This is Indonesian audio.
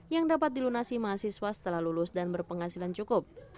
yang dapat dilunasi mahasiswa setelah lulus dan berpenghasilan cukup